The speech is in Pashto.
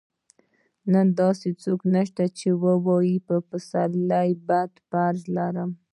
نن داسې څوک نشته چې ووايي پر پسرلي بد قرض لرم.